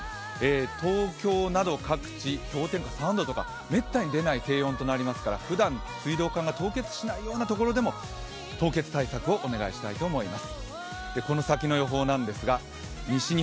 東京など各地氷点下３度とかめったに出ない気温となりますから、ふだん水道管が凍結しないようなところでも凍結対策をお願いしたいと思います。